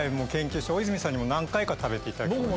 大泉さんにも何回か食べていただきました。